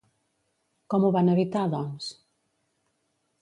Com ho van evitar, doncs?